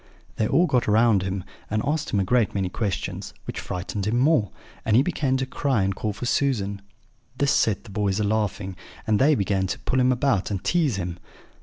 They all got round him, and asked him a great many questions, which frightened him more; and he began to cry and call for Susan. This set the boys a laughing, and they began to pull him about and tease him.